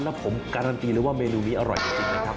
แล้วผมการันตีเลยว่าเมนูนี้อร่อยจริงนะครับ